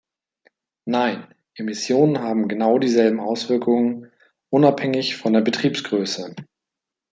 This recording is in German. Nein, Emissionen haben genau dieselben Auswirkungen, unabhängig von der Betriebsgröße.